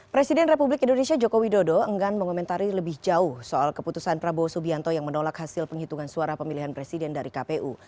presiden republik indonesia joko widodo enggan mengomentari lebih jauh soal keputusan prabowo subianto yang menolak hasil penghitungan suara pemilihan presiden dari kpu